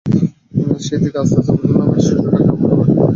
সেই থেকে আস্তে আস্তে ফুটবল নামের শিশুটাকে আমরা গলা টিপে হত্যা করেছি।